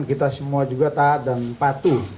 kita semua juga taat dan patuh